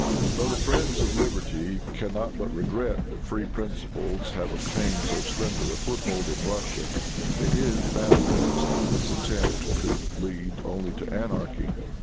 Though the friends of liberty can not but regret that free principles have obtained so slender a foothold in Russia, it is manifest that this attempt could lead only to anarchy.